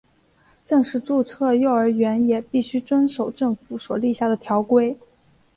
正式注册的幼儿园也必须遵守政府所立下的条规。